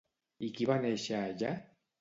I qui va néixer allà?